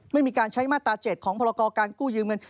มันมีการใช้มาตราเจ็ดของพลกการกู้ยืมเงิน